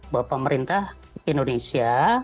bahwa pemerintah indonesia